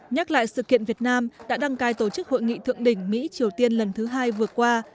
nhắc lại sự kiện việt nam đã đăng cai tổ chức hội nghị thượng đỉnh mỹ triều tiên lần thứ hai vừa qua